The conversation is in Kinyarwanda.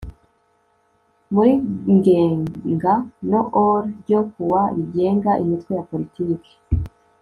muri Ngenga no OL ryo kuwa rigenga imitwe ya politiki